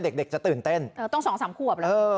เด็กจะตื่นเต้นต้อง๒๓ควบ